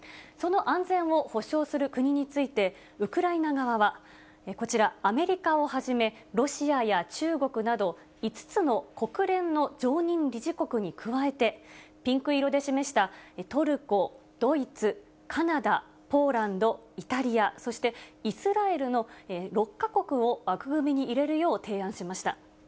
その安全を保証する国について、ウクライナ側は、こちら、アメリカをはじめ、ロシアや中国など、５つの国連の常任理事国に加えて、ピンク色で示したトルコ、ドイツ、カナダ、ポーランド、イタリア、そして、イスラエルの６か国を枠組みに入れるよう提案しました。